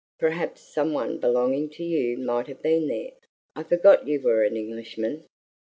"Perhaps some one belonging to you might have been there. I forgot you were an Englishman."